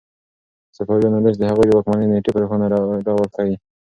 د صفویانو لیست د هغوی د واکمنۍ نېټې په روښانه ډول ښيي.